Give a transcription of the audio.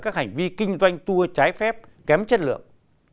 các hành vi kinh doanh tour trái phép kém chất lượng